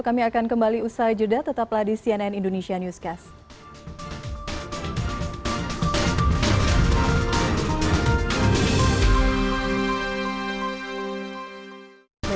kami akan kembali usai jeda tetaplah di cnn indonesia newscast